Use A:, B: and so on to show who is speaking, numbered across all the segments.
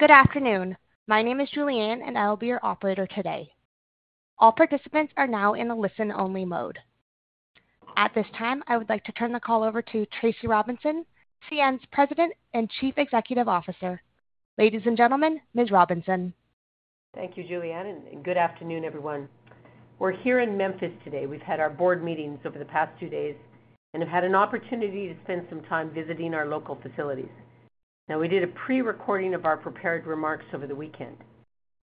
A: Good afternoon. My name is Julianne, and I'll be your operator today. All participants are now in the listen-only mode. At this time, I would like to turn the call over to Tracy Robinson, CN's President and Chief Executive Officer. Ladies and gentlemen, Ms. Robinson.
B: Thank you, Julianne, and good afternoon, everyone. We're here in Memphis today. We've had our board meetings over the past two days and have had an opportunity to spend some time visiting our local facilities. Now, we did a prerecording of our prepared remarks over the weekend,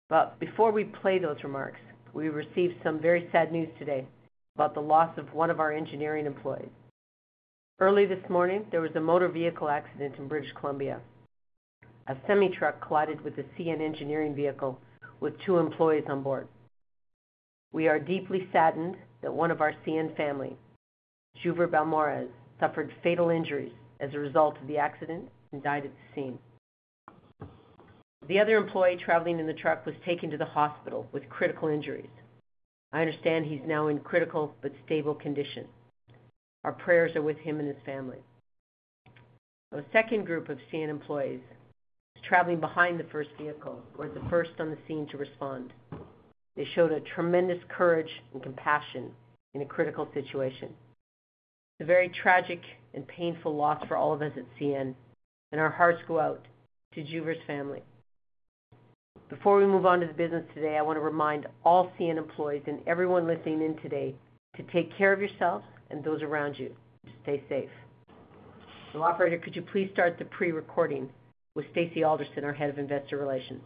B: but before we play those remarks, we received some very sad news today about the loss of one of our engineering employees. Early this morning, there was a motor vehicle accident in British Columbia. A semi-truck collided with a CN engineering vehicle with two employees on board. We are deeply saddened that one of our CN family, Juver Balmores, suffered fatal injuries as a result of the accident and died at the scene. The other employee traveling in the truck was taken to the hospital with critical injuries. I understand he's now in critical but stable condition. Our prayers are with him and his family. A second group of CN employees was traveling behind the first vehicle or at the first on the scene to respond. They showed tremendous courage and compassion in a critical situation. It's a very tragic and painful loss for all of us at CN, and our hearts go out to Juver's family. Before we move on to the business today, I want to remind all CN employees and everyone listening in today to take care of yourselves and those around you. Stay safe. Now, operator, could you please start the prerecording with Stacy Alderson, our Head of Investor Relations?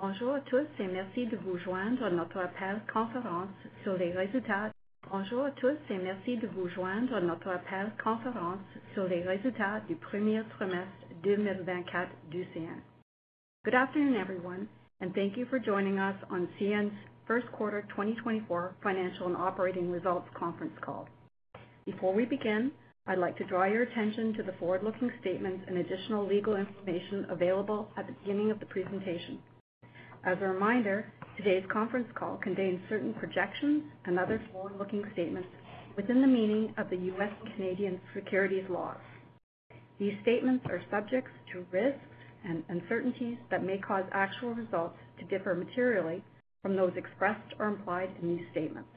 C: Bonjour à tous, et merci de vous joindre à notre appel conférence sur les résultats du premier trimestre 2024 du CN. Good afternoon, everyone, and thank you for joining us on CN's Q1 2024 Financial and Operating Results Conference call. Before we begin, I'd like to draw your attention to the forward-looking statements and additional legal information available at the beginning of the presentation. As a reminder, today's conference call contains certain projections and other forward-looking statements within the meaning of the U.S. and Canadian securities laws. These statements are subject to risks and uncertainties that may cause actual results to differ materially from those expressed or implied in these statements.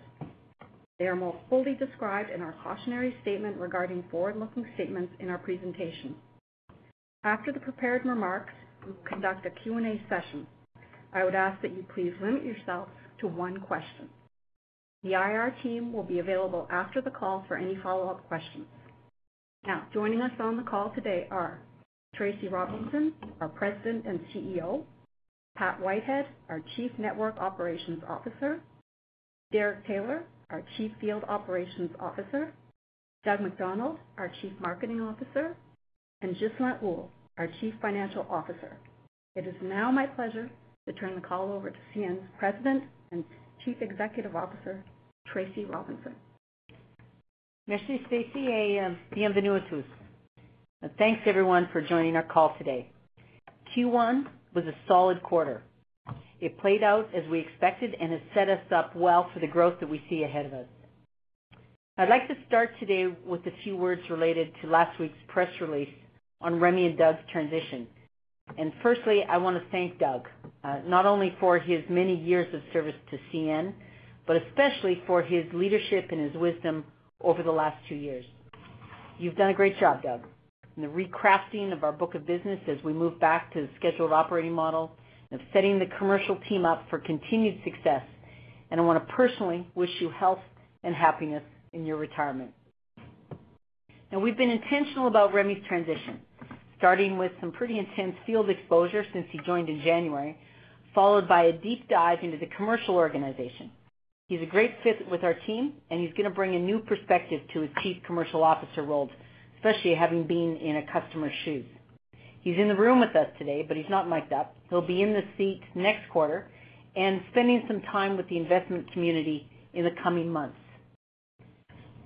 C: They are more fully described in our cautionary statement regarding forward-looking statements in our presentation. After the prepared remarks, we will conduct a Q&A session. I would ask that you please limit yourself to one question. The IR team will be available after the call for any follow-up questions. Now, joining us on the call today are Tracy Robinson, our President and CEO, Pat Whitehead, our Chief Network Operations Officer, Derek Taylor, our Chief Field Operations Officer, Doug MacDonald, our Chief Marketing Officer, and Ghislain Houle, our Chief Financial Officer. It is now my pleasure to turn the call over to CN's President and Chief Executive Officer, Tracy Robinson.
B: Merci, Stacy, et bienvenue à tous. Thanks, everyone, for joining our call today. Q1 was a solid quarter. It played out as we expected and has set us up well for the growth that we see ahead of us. I'd like to start today with a few words related to last week's press release on Rémi and Doug's transition. Firstly, I want to thank Doug, not only for his many years of service to CN, but especially for his leadership and his wisdom over the last two years. You've done a great job, Doug, in the recrafting of our book of business as we move back to the scheduled operating model and of setting the commercial team up for continued success, and I want to personally wish you health and happiness in your retirement. Now, we've been intentional about Rémi's transition, starting with some pretty intense field exposure since he joined in January, followed by a deep dive into the commercial organization. He's a great fit with our team, and he's going to bring a new perspective to his Chief Commercial Officer role, especially having been in a customer's shoes. He's in the room with us today, but he's not mic'd up. He'll be in the seat next quarter and spending some time with the investment community in the coming months.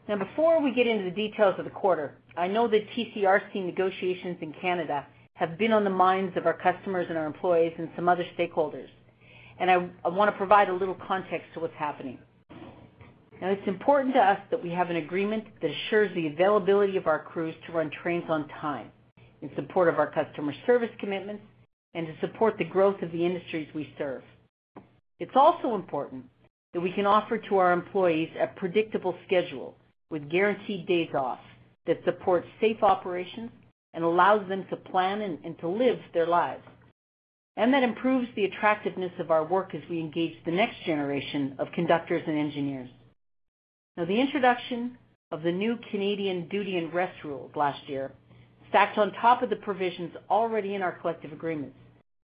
B: Now, before we get into the details of the quarter, I know the TCRC negotiations in Canada have been on the minds of our customers and our employees and some other stakeholders, and I want to provide a little context to what's happening. Now, it's important to us that we have an agreement that assures the availability of our crews to run trains on time in support of our customer service commitments and to support the growth of the industries we serve. It's also important that we can offer to our employees a predictable schedule with guaranteed days off that supports safe operations and allows them to plan and to live their lives, and that improves the attractiveness of our work as we engage the next generation of conductors and engineers. Now, the introduction of the new Canadian Duty and Rest Rules last year, stacked on top of the provisions already in our collective agreements,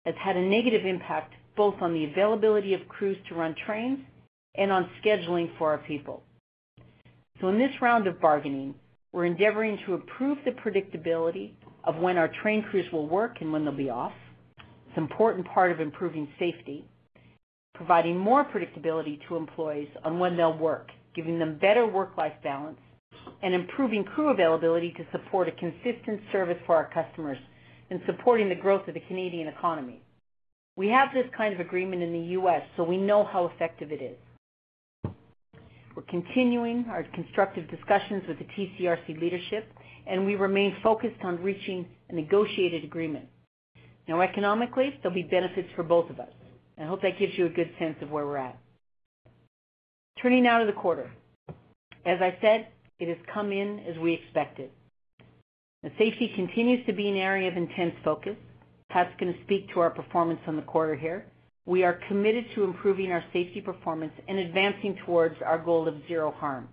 B: has had a negative impact both on the availability of crews to run trains and on scheduling for our people. So in this round of bargaining, we're endeavoring to improve the predictability of when our train crews will work and when they'll be off, it's an important part of improving safety, providing more predictability to employees on when they'll work, giving them better work-life balance, and improving crew availability to support a consistent service for our customers and supporting the growth of the Canadian economy. We have this kind of agreement in the U.S., so we know how effective it is. We're continuing our constructive discussions with the TCRC leadership, and we remain focused on reaching a negotiated agreement. Now, economically, there'll be benefits for both of us, and I hope that gives you a good sense of where we're at. Turning now to the quarter. As I said, it has come in as we expected. Now, safety continues to be an area of intense focus. Pat's going to speak to our performance on the quarter here. We are committed to improving our safety performance and advancing towards our goal of zero harm.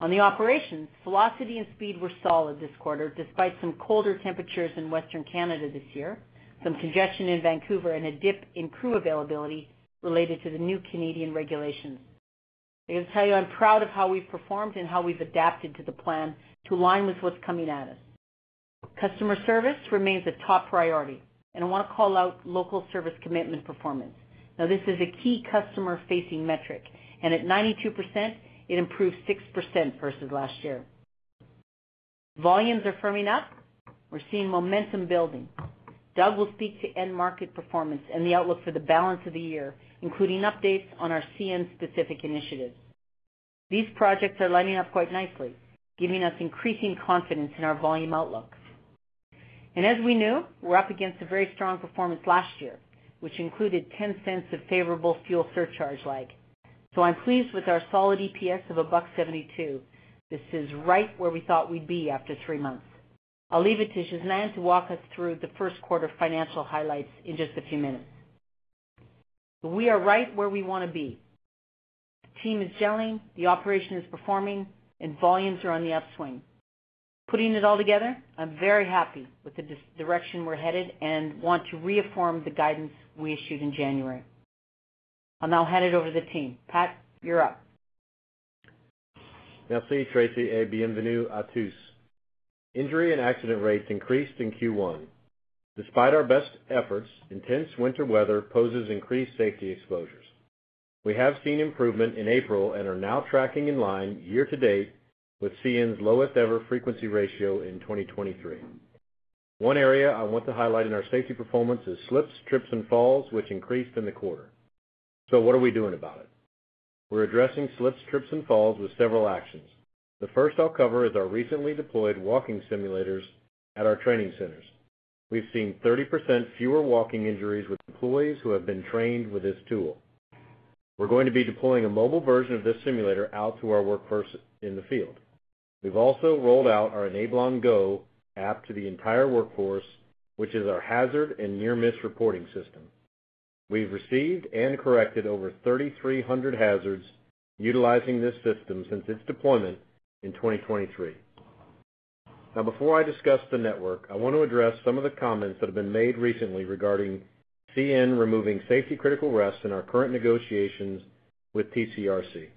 B: On the operations, velocity and speed were solid this quarter despite some colder temperatures in Western Canada this year, some congestion in Vancouver, and a dip in crew availability related to the new Canadian regulations. I got to tell you, I'm proud of how we've performed and how we've adapted to the plan to align with what's coming at us. Customer service remains a top priority, and I want to call out Local Service Commitment Performance. Now, this is a key customer-facing metric, and at 92%, it improved 6% versus last year. Volumes are firming up. We're seeing momentum building. Doug will speak to end-market performance and the outlook for the balance of the year, including updates on our CN-specific initiatives. These projects are lining up quite nicely, giving us increasing confidence in our volume outlook. As we knew, we're up against a very strong performance last year, which included $0.10 of favorable fuel surcharge lag. I'm pleased with our solid EPS of $1.72. This is right where we thought we'd be after three months. I'll leave it to Ghislain to walk us through the Q1 financial highlights in just a few minutes. We are right where we want to be. The team is gelling. The operation is performing, and volumes are on the upswing. Putting it all together, I'm very happy with the direction we're headed and want to reaffirm the guidance we issued in January. I'll now hand it over to the team. Pat, you're up.
D: Merci, Tracy, et bienvenue à tous. Injury and accident rates increased in Q1. Despite our best efforts, intense winter weather poses increased safety exposures. We have seen improvement in April and are now tracking in line year to date with CN's lowest-ever frequency ratio in 2023. One area I want to highlight in our safety performance is slips, trips, and falls, which increased in the quarter. So what are we doing about it? We're addressing slips, trips, and falls with several actions. The first I'll cover is our recently deployed walking simulators at our training centers. We've seen 30% fewer walking injuries with employees who have been trained with this tool. We're going to be deploying a mobile version of this simulator out to our workforce in the field. We've also rolled out our Enablon Go app to the entire workforce, which is our hazard and near-miss reporting system. We've received and corrected over 3,300 hazards utilizing this system since its deployment in 2023. Now, before I discuss the network, I want to address some of the comments that have been made recently regarding CN removing safety-critical rests in our current negotiations with TCRC.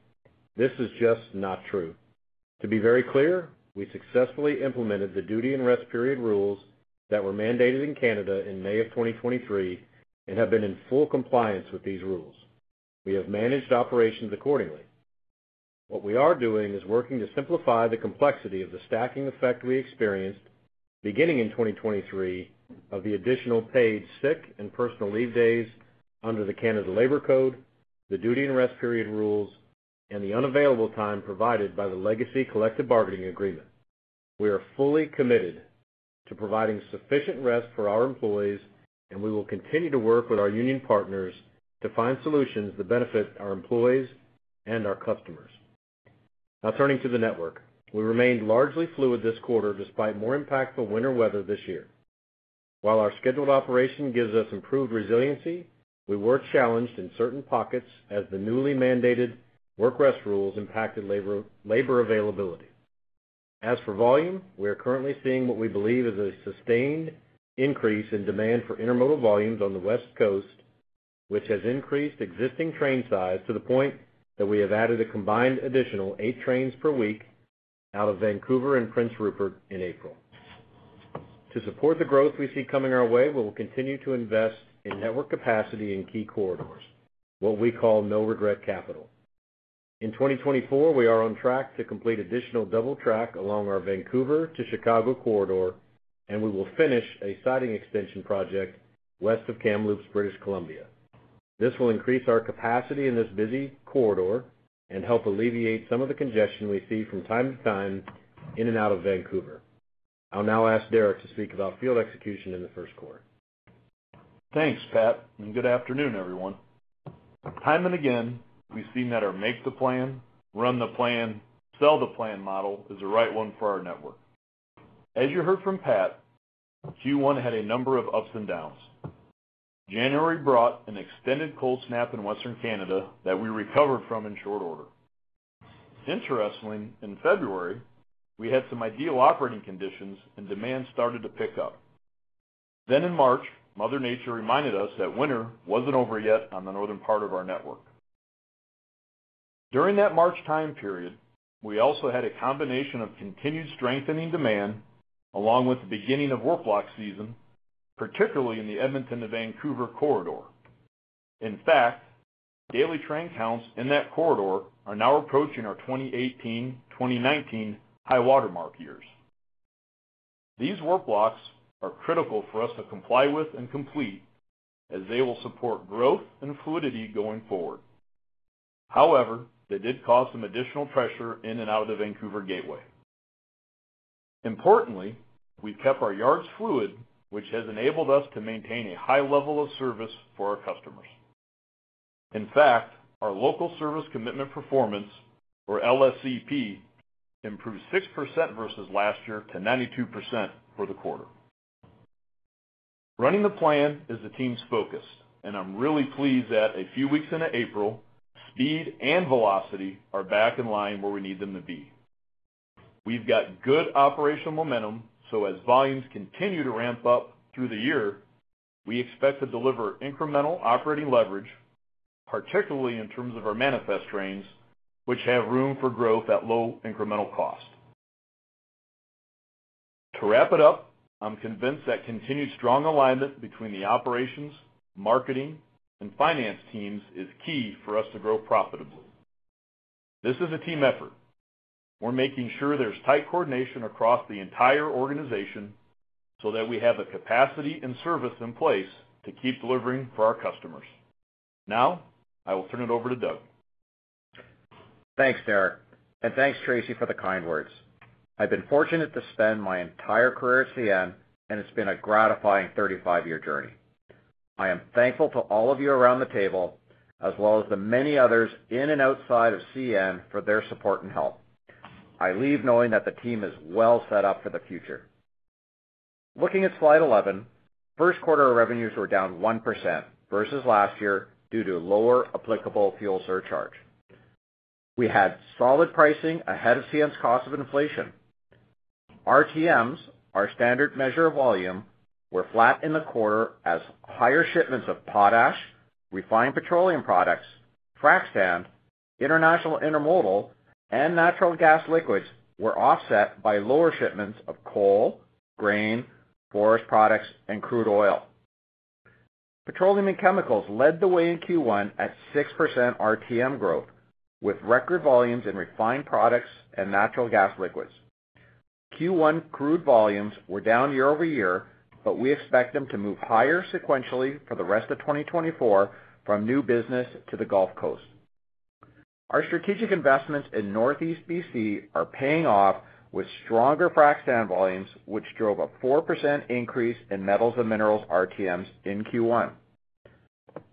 D: This is just not true. To be very clear, we successfully implemented the Duty and Rest Period Rules that were mandated in Canada in May of 2023 and have been in full compliance with these rules. We have managed operations accordingly. What we are doing is working to simplify the complexity of the stacking effect we experienced beginning in 2023 of the additional paid sick and personal leave days under the Canada Labor Code, the Duty and Rest Period Rules, and the unavailable time provided by the legacy collective bargaining agreement. We are fully committed to providing sufficient rest for our employees, and we will continue to work with our union partners to find solutions that benefit our employees and our customers. Now, turning to the network. We remained largely fluid this quarter despite more impactful winter weather this year. While our scheduled operation gives us improved resiliency, we were challenged in certain pockets as the newly mandated work-rest rules impacted labor availability. As for volume, we are currently seeing what we believe is a sustained increase in demand for intermodal volumes on the West Coast, which has increased existing train size to the point that we have added a combined additional 8 trains per week out of Vancouver and Prince Rupert in April. To support the growth we see coming our way, we will continue to invest in network capacity in key corridors, what we call no-regret capital. In 2024, we are on track to complete additional double track along our Vancouver to Chicago corridor, and we will finish a siding extension project west of Kamloops, British Columbia. This will increase our capacity in this busy corridor and help alleviate some of the congestion we see from time to time in and out of Vancouver. I'll now ask Derek to speak about field execution in the Q1.
E: Thanks, Pat, and good afternoon, everyone. Time and again, we've seen that our make the plan, run the plan, sell the plan model is the right one for our network. As you heard from Pat, Q1 had a number of ups and downs. January brought an extended cold snap in Western Canada that we recovered from in short order. Interestingly, in February, we had some ideal operating conditions, and demand started to pick up. Then in March, Mother Nature reminded us that winter wasn't over yet on the northern part of our network. During that March time period, we also had a combination of continued strengthening demand along with the beginning of work block season, particularly in the Edmonton to Vancouver corridor. In fact, daily train counts in that corridor are now approaching our 2018-2019 high-watermark years. These work blocks are critical for us to comply with and complete as they will support growth and fluidity going forward. However, they did cause some additional pressure in and out of the Vancouver Gateway. Importantly, we've kept our yards fluid, which has enabled us to maintain a high level of service for our customers. In fact, our Local Service Commitment performance, or LSCP, improved 6% versus last year to 92% for the quarter. Running the plan is the team's focus, and I'm really pleased that a few weeks into April, speed and velocity are back in line where we need them to be. We've got good operational momentum, so as volumes continue to ramp up through the year, we expect to deliver incremental operating leverage, particularly in terms of our manifest trains, which have room for growth at low incremental cost. To wrap it up, I'm convinced that continued strong alignment between the operations, marketing, and finance teams is key for us to grow profitably. This is a team effort. We're making sure there's tight coordination across the entire organization so that we have the capacity and service in place to keep delivering for our customers. Now, I will turn it over to Doug.
F: Thanks, Derek, and thanks, Tracy, for the kind words. I've been fortunate to spend my entire career at CN, and it's been a gratifying 35-year journey. I am thankful to all of you around the table as well as the many others in and outside of CN for their support and help. I leave knowing that the team is well set up for the future. Looking at Slide 11, Q1 revenues were down 1% versus last year due to lower applicable fuel surcharge. We had solid pricing ahead of CN's cost of inflation. RTMs, our standard measure of volume, were flat in the quarter as higher shipments of potash, refined petroleum products, frac sand, international intermodal, and natural gas liquids were offset by lower shipments of coal, grain, forest products, and crude oil. Petroleum and chemicals led the way in Q1 at 6% RTM growth with record volumes in refined products and natural gas liquids. Q1 crude volumes were down year-over-year, but we expect them to move higher sequentially for the rest of 2024 from new business to the Gulf Coast. Our strategic investments in Northeast BC are paying off with stronger frac sand volumes, which drove a 4% increase in metals and minerals RTMs in Q1.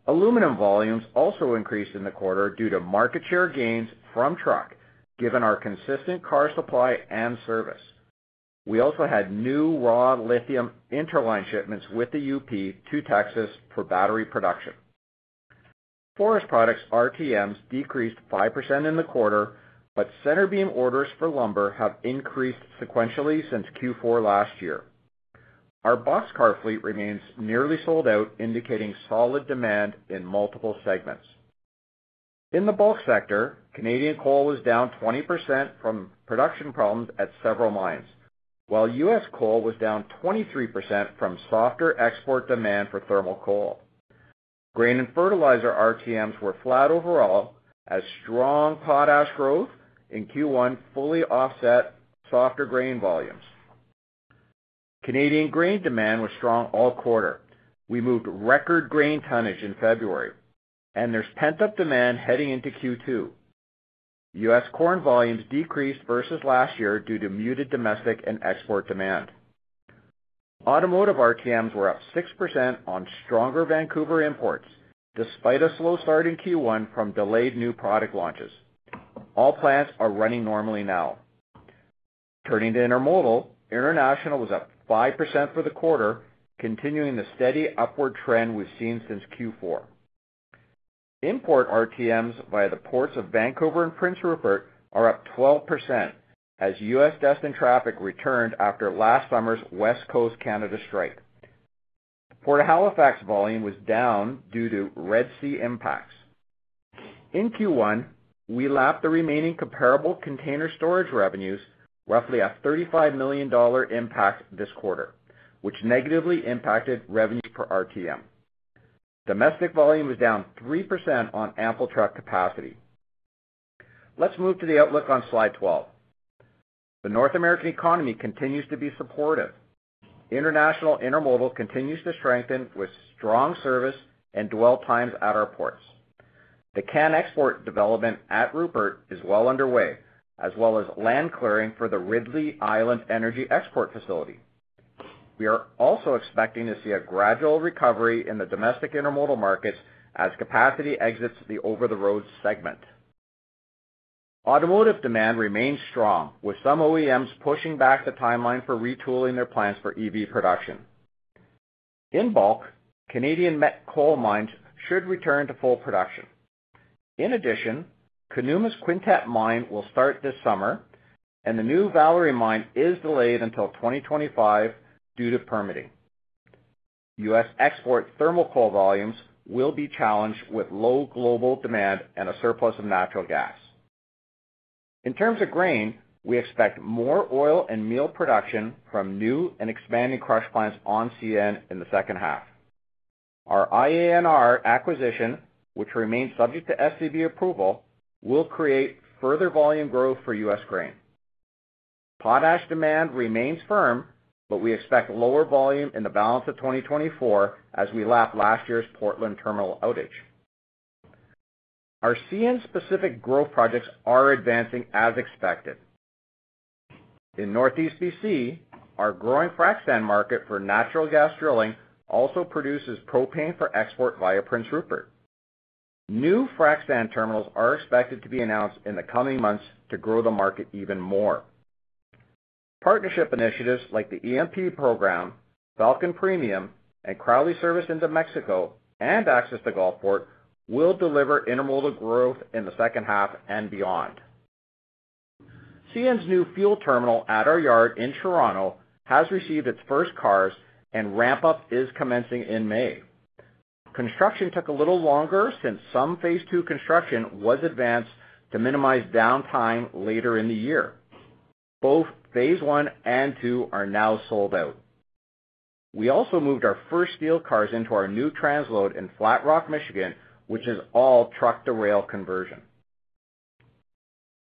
F: Aluminum volumes also increased in the quarter due to market share gains from truck, given our consistent car supply and service. We also had new raw lithium interline shipments with the UP to Texas for battery production. Forest products RTMs decreased 5% in the quarter, but center beam orders for lumber have increased sequentially since Q4 last year. Our boxcar fleet remains nearly sold out, indicating solid demand in multiple segments. In the bulk sector, Canadian coal was down 20% from production problems at several mines, while U.S. coal was down 23% from softer export demand for thermal coal. Grain and fertilizer RTMs were flat overall as strong potash growth in Q1 fully offset softer grain volumes. Canadian grain demand was strong all quarter. We moved record grain tonnage in February, and there's pent-up demand heading into Q2. U.S. corn volumes decreased versus last year due to muted domestic and export demand. Automotive RTMs were up 6% on stronger Vancouver imports despite a slow start in Q1 from delayed new product launches. All plants are running normally now. Turning to intermodal, international was up 5% for the quarter, continuing the steady upward trend we've seen since Q4. Import RTMs via the ports of Vancouver and Prince Rupert are up 12% as U.S.-destined traffic returned after last summer's West Coast Canada strike. Port of Halifax volume was down due to Red Sea impacts. In Q1, we lapped the remaining comparable container storage revenues, roughly a $35 million impact this quarter, which negatively impacted revenue per RTM. Domestic volume was down 3% on ample truck capacity. Let's move to the outlook on Slide 12. The North American economy continues to be supportive. International intermodal continues to strengthen with strong service and dwell times at our ports. The CanaPux export development at Rupert is well underway, as well as land clearing for the Ridley Island Energy Export Facility. We are also expecting to see a gradual recovery in the domestic intermodal markets as capacity exits the over-the-road segment. Automotive demand remains strong, with some OEMs pushing back the timeline for retooling their plants for EV production. In bulk, Canadian met coal mines should return to full production. In addition, Conuma's Quintette mine will start this summer, and the new Valerie mine is delayed until 2025 due to permitting. U.S. export thermal coal volumes will be challenged with low global demand and a surplus of natural gas. In terms of grain, we expect more oil and meal production from new and expanding crush plants on CN in the second half. Our IANR acquisition, which remains subject to STB approval, will create further volume growth for U.S. grain. Potash demand remains firm, but we expect lower volume in the balance of 2024 as we lap last year's Portland terminal outage. Our CN-specific growth projects are advancing as expected. In Northeast BC, our growing frac sand market for natural gas drilling also produces propane for export via Prince Rupert. New frac sand terminals are expected to be announced in the coming months to grow the market even more. Partnership initiatives like the EMP program, Falcon Premium, and Crowley Service into Mexico and Access to Gulfport will deliver intermodal growth in the second half and beyond. CN's new fuel terminal at our yard in Toronto has received its first cars, and ramp-up is commencing in May. Construction took a little longer since some phase two construction was advanced to minimize downtime later in the year. Both phase one and two are now sold out. We also moved our first steel cars into our new transload in Flat Rock, Michigan, which is all truck-to-rail conversion.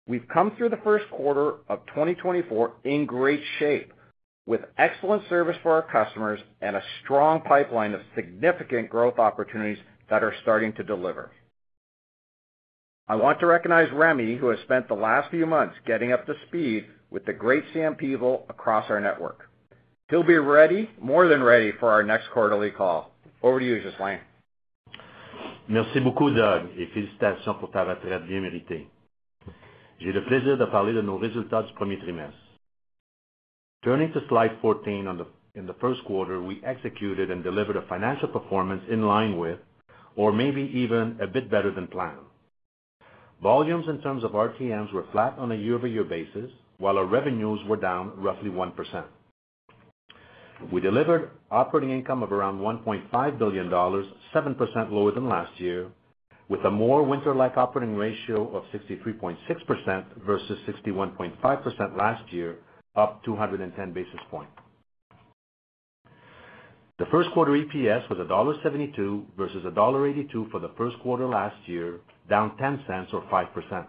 F: We've come through the Q1 of 2024 in great shape, with excellent service for our customers and a strong pipeline of significant growth opportunities that are starting to deliver. I want to recognize Rémi, who has spent the last few months getting up to speed with the great team across our network. He'll be ready, more than ready, for our next quarterly call. Over to you, Ghislain.
G: Merci beaucoup, Doug, et félicitations pour ta retraite bien méritée. J'ai le plaisir de parler de nos résultats du premier trimestre. Turning to Slide 14, in the Q1, we executed and delivered a financial performance in line with, or maybe even a bit better than planned. Volumes in terms of RTMs were flat on a year-over-year basis, while our revenues were down roughly 1%. We delivered operating income of around $1.5 billion, 7% lower than last year, with a more winter-like operating ratio of 63.6% versus 61.5% last year, up 210 basis points. The Q1 EPS was $1.72 versus $1.82 for the Q1 last year, down 10 cents or 5%.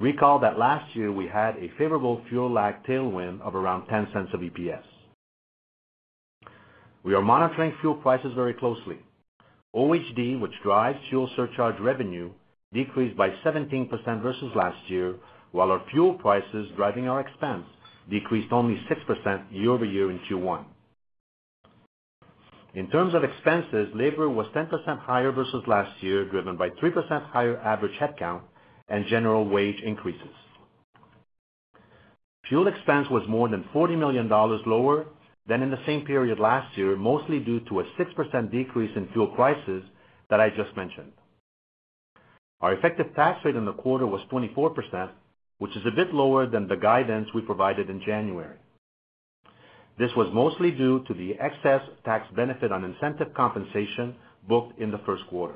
G: Recall that last year we had a favorable fuel lag tailwind of around 10 cents of EPS. We are monitoring fuel prices very closely. OHD, which drives fuel surcharge revenue, decreased by 17% versus last year, while our fuel prices, driving our expense, decreased only 6% year-over-year in Q1. In terms of expenses, labor was 10% higher versus last year, driven by 3% higher average headcount and general wage increases. Fuel expense was more than $40 million lower than in the same period last year, mostly due to a 6% decrease in fuel prices that I just mentioned. Our effective tax rate in the quarter was 24%, which is a bit lower than the guidance we provided in January. This was mostly due to the excess tax benefit on incentive compensation booked in the Q1.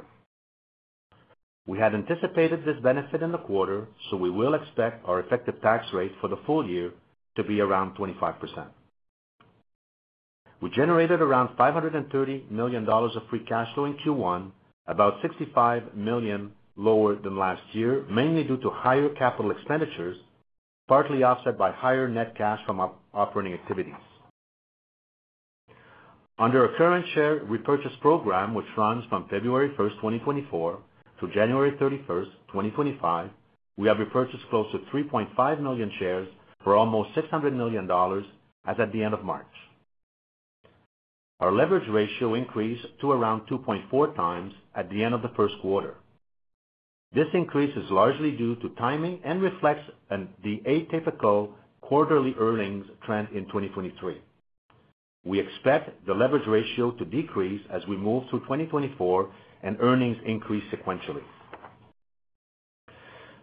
G: We had anticipated this benefit in the quarter, so we will expect our effective tax rate for the full year to be around 25%. We generated around $530 million of free cash flow in Q1, about $65 million lower than last year, mainly due to higher capital expenditures, partly offset by higher net cash from operating activities. Under our current share repurchase program, which runs from February 1st, 2024, to January 31st, 2025, we have repurchased close to 3.5 million shares for almost $600 million as at the end of March. Our leverage ratio increased to around 2.4 times at the end of the Q1. This increase is largely due to timing and reflects the atypical quarterly earnings trend in 2023. We expect the leverage ratio to decrease as we move through 2024 and earnings increase sequentially.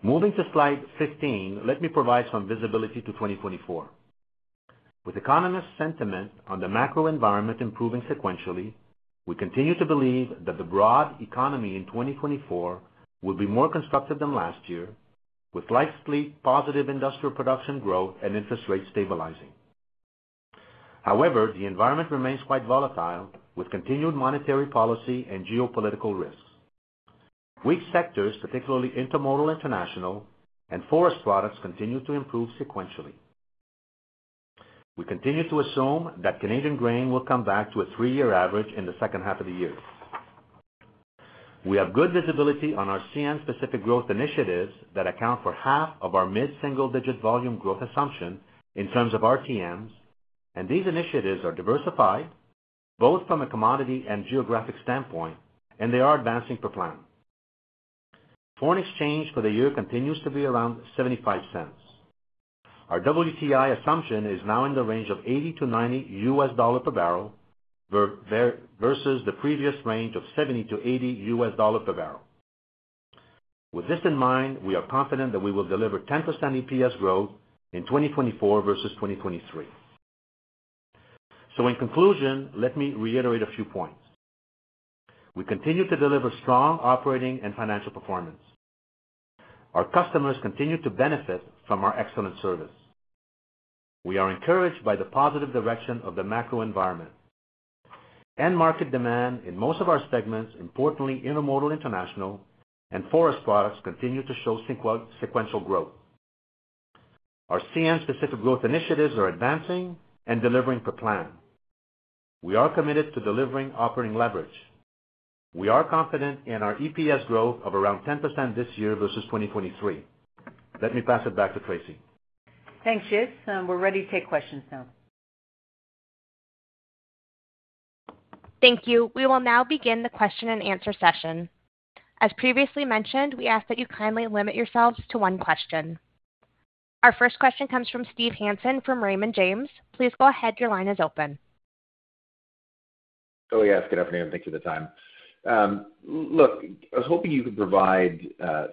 G: Moving to Slide 15, let me provide some visibility to 2024. With economists' sentiment on the macro environment improving sequentially, we continue to believe that the broad economy in 2024 will be more constructive than last year, with likely positive industrial production growth and interest rates stabilizing. However, the environment remains quite volatile, with continued monetary policy and geopolitical risks. Weak sectors, particularly intermodal international and forest products, continue to improve sequentially. We continue to assume that Canadian grain will come back to a three-year average in the second half of the year. We have good visibility on our CN-specific growth initiatives that account for half of our mid-single-digit volume growth assumption in terms of RTMs, and these initiatives are diversified both from a commodity and geographic standpoint, and they are advancing per plan. Foreign exchange for the year continues to be around $0.75. Our WTI assumption is now in the range of $80-$90 per barrel versus the previous range of $70-$80 per barrel. With this in mind, we are confident that we will deliver 10% EPS growth in 2024 versus 2023. In conclusion, let me reiterate a few points. We continue to deliver strong operating and financial performance. Our customers continue to benefit from our excellent service. We are encouraged by the positive direction of the macro environment. End market demand in most of our segments, importantly intermodal international and forest products, continues to show sequential growth. Our CN-specific growth initiatives are advancing and delivering per plan. We are committed to delivering operating leverage. We are confident in our EPS growth of around 10% this year versus 2023. Let me pass it back to Tracy.
B: Thanks, Ghislain. We're ready to take questions now.
A: Thank you. We will now begin the question and answer session. As previously mentioned, we ask that you kindly limit yourselves to one question. Our first question comes from Steve Hansen from Raymond James. Please go ahead. Your line is open.
H: Oh, yeah. Good afternoon. Thank you for the time. Look, I was hoping you could provide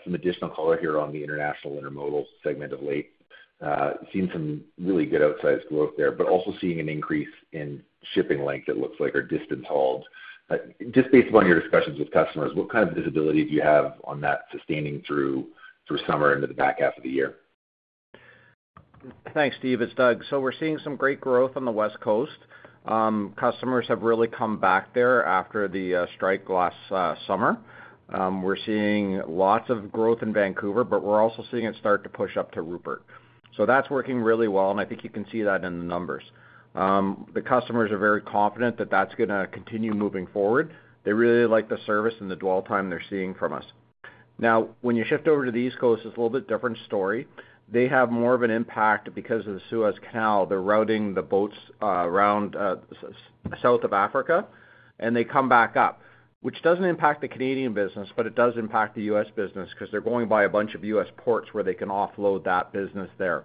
H: some additional color here on the international intermodal segment of late. Seen some really good outsized growth there, but also seeing an increase in shipping length it looks like or distance haul. Just based upon your discussions with customers, what kind of visibility do you have on that sustaining through summer into the back half of the year?
F: Thanks, Steve. It's Doug. So we're seeing some great growth on the West Coast. Customers have really come back there after the strike last summer. We're seeing lots of growth in Vancouver, but we're also seeing it start to push up to Rupert. So that's working really well, and I think you can see that in the numbers. The customers are very confident that that's going to continue moving forward. They really like the service and the dwell time they're seeing from us. Now, when you shift over to the East Coast, it's a little bit different story. They have more of an impact because of the Suez Canal. They're routing the boats around south of Africa, and they come back up, which doesn't impact the Canadian business, but it does impact the U.S. business because they're going by a bunch of U.S. ports where they can offload that business there.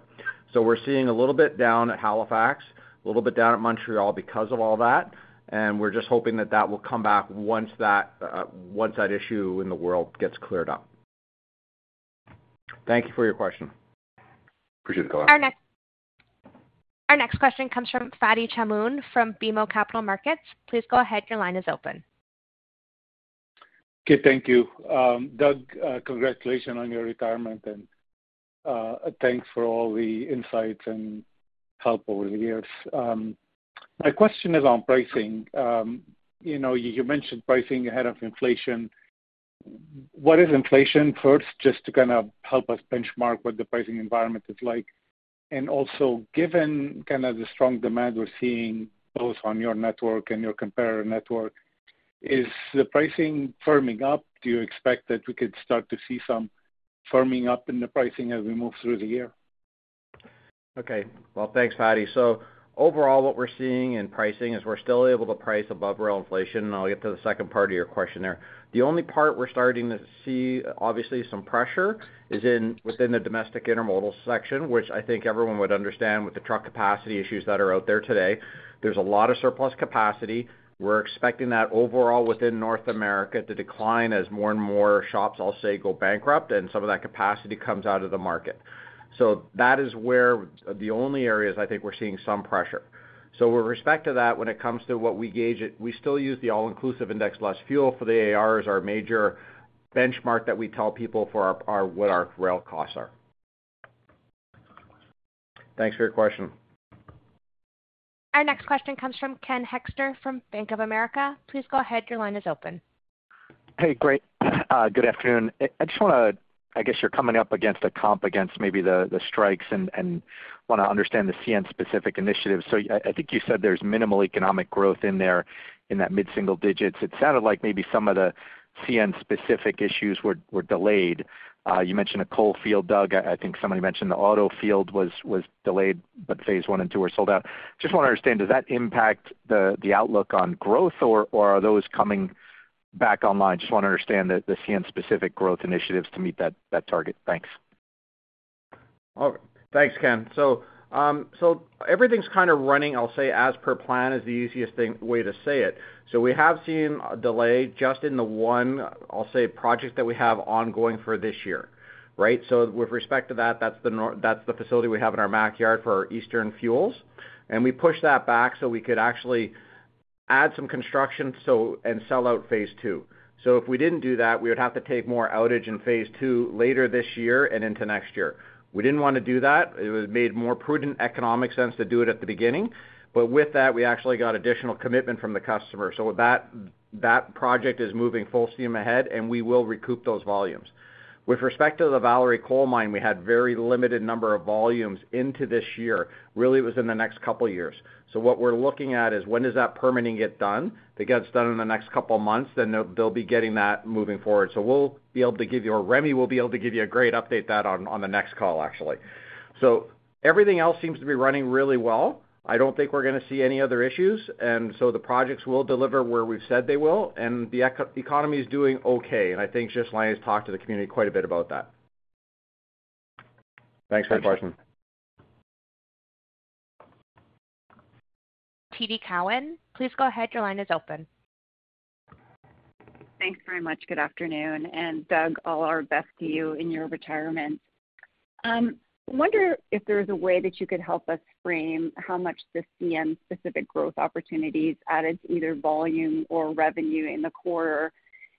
F: So we're seeing a little bit down at Halifax, a little bit down at Montreal because of all that, and we're just hoping that that will come back once that issue in the world gets cleared up. Thank you for your question.
H: Appreciate the call.
A: Our next question comes from Fadi Chamoun from BMO Capital Markets. Please go ahead. Your line is open.
I: Okay. Thank you. Doug, congratulations on your retirement, and thanks for all the insights and help over the years. My question is on pricing. You mentioned pricing ahead of inflation. What is inflation first, just to kind of help us benchmark what the pricing environment is like? And also, given kind of the strong demand we're seeing both on your network and your comparator network, is the pricing firming up? Do you expect that we could start to see some firming up in the pricing as we move through the year?
F: Okay. Well, thanks, Fadi. So overall, what we're seeing in pricing is we're still able to price above real inflation, and I'll get to the second part of your question there. The only part we're starting to see, obviously, some pressure is within the domestic intermodal section, which I think everyone would understand with the truck capacity issues that are out there today. There's a lot of surplus capacity. We're expecting that overall within North America to decline as more and more shops, I'll say, go bankrupt, and some of that capacity comes out of the market. So that is where the only areas I think we're seeing some pressure. So with respect to that, when it comes to what we gauge, we still use the All-Inclusive Index Less Fuel for the AAR as our major benchmark that we tell people for what our rail costs are. Thanks for your question.
A: Our next question comes from Ken Hoexter from Bank of America. Please go ahead. Your line is open.
J: Hey, great. Good afternoon. I just want to I guess you're coming up against a comp against maybe the strikes and want to understand the CN-specific initiatives. So I think you said there's minimal economic growth in there in that mid-single digits. It sounded like maybe some of the CN-specific issues were delayed. You mentioned a coal field, Doug. I think somebody mentioned the auto field was delayed, but phase one and two were sold out. Just want to understand, does that impact the outlook on growth, or are those coming back online? Just want to understand the CN-specific growth initiatives to meet that target. Thanks.
F: All right. Thanks, Ken. So everything's kind of running, I'll say, as per plan is the easiest way to say it. So we have seen a delay just in the one, I'll say, project that we have ongoing for this year, right? So with respect to that, that's the facility we have in our backyard for our Eastern Fuels, and we pushed that back so we could actually add some construction and sell out phase two. So if we didn't do that, we would have to take more outage in phase two later this year and into next year. We didn't want to do that. It made more prudent economic sense to do it at the beginning. But with that, we actually got additional commitment from the customer. So that project is moving full steam ahead, and we will recoup those volumes. With respect to the Valerie Coal Mine, we had a very limited number of volumes into this year. Really, it was in the next couple of years. So what we're looking at is when does that permitting get done? If it gets done in the next couple of months, then they'll be getting that moving forward. So we'll be able to give you or Rémi will be able to give you a great update on the next call, actually. So everything else seems to be running really well. I don't think we're going to see any other issues. And so the projects will deliver where we've said they will, and the economy is doing okay. And I think Ghislain has talked to the community quite a bit about that. Thanks for your question.
A: TD Cowen, please go ahead. Your line is open.
K: Thanks very much. Good afternoon. Doug, all our best to you in your retirement. I wonder if there is a way that you could help us frame how much the CN-specific growth opportunities added to either volume or revenue in the quarter.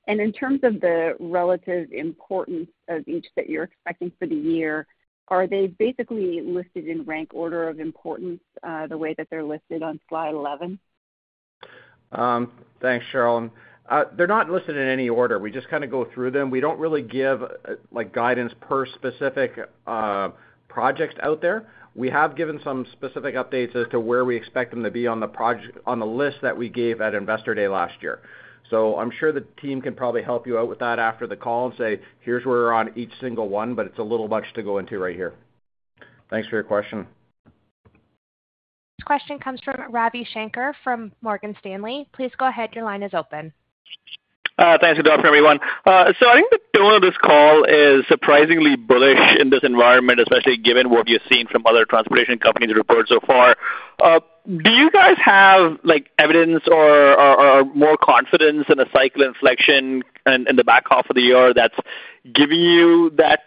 K: In terms of the relative importance of each that you're expecting for the year, are they basically listed in rank order of importance the way that they're listed on Slide 11?
F: Thanks, Cheryl. They're not listed in any order. We just kind of go through them. We don't really give guidance per specific projects out there. We have given some specific updates as to where we expect them to be on the list that we gave at Investor Day last year. So I'm sure the team can probably help you out with that after the call and say, "Here's where we're on each single one," but it's a little much to go into right here. Thanks for your question.
A: This question comes from Ravi Shanker from Morgan Stanley. Please go ahead. Your line is open.
L: Thanks for the call, everyone. I think the tone of this call is surprisingly bullish in this environment, especially given what you've seen from other transportation companies report so far. Do you guys have evidence or more confidence in a cycle inflection in the back half of the year that's giving you that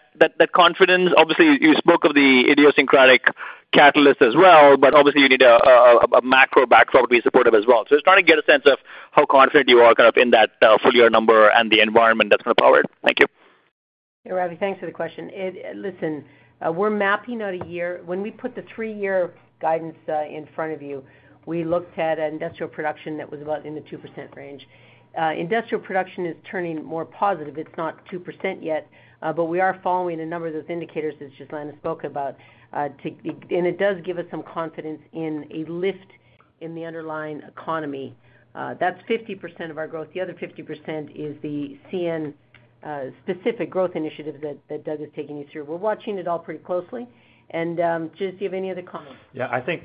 L: confidence? Obviously, you spoke of the idiosyncratic catalyst as well, but obviously, you need a macro backdrop to be supportive as well. Just trying to get a sense of how confident you are kind of in that full-year number and the environment that's going to power it. Thank you.
B: Hey, Ravi. Thanks for the question. Listen, we're mapping out a year. When we put the three-year guidance in front of you, we looked at industrial production that was about in the 2% range. Industrial production is turning more positive. It's not 2% yet, but we are following a number of those indicators that Ghislain spoke about, and it does give us some confidence in a lift in the underlying economy. That's 50% of our growth. The other 50% is the CN-specific growth initiatives that Doug is taking you through. We're watching it all pretty closely. And Ghislain do you have any other comments?
G: Yeah. I think,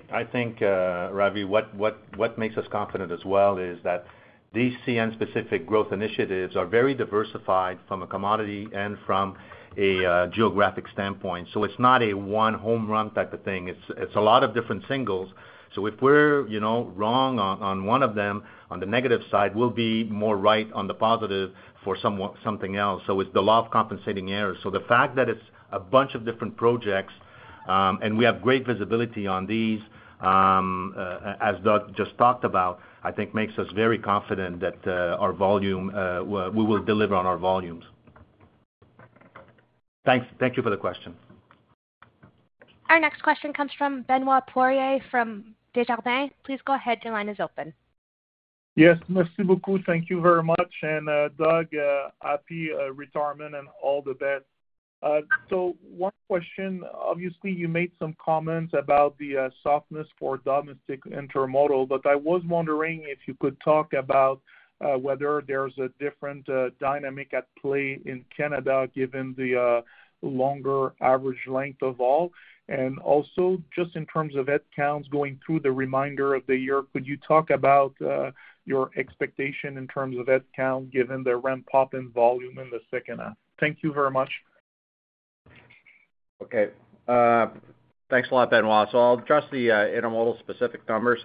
G: Ravi, what makes us confident as well is that these CN-specific growth initiatives are very diversified from a commodity and from a geographic standpoint. So it's not a one home run type of thing. It's a lot of different singles. So if we're wrong on one of them, on the negative side, we'll be more right on the positive for something else. So it's the law of compensating errors. So the fact that it's a bunch of different projects, and we have great visibility on these, as Doug just talked about, I think makes us very confident that we will deliver on our volumes. Thank you for the question.
A: Our next question comes from Benoit Poirier from Desjardins. Please go ahead. Your line is open.
M: Yes. Merci beaucoup. Thank you very much. And Doug, happy retirement and all the best. So one question. Obviously, you made some comments about the softness for domestic intermodal, but I was wondering if you could talk about whether there's a different dynamic at play in Canada given the longer average length of haul. And also, just in terms of headcounts going through the remainder of the year, could you talk about your expectation in terms of headcount given the ramp-up in volume in the second half? Thank you very much.
F: Okay. Thanks a lot, Benoit. So I'll address the intermodal-specific numbers.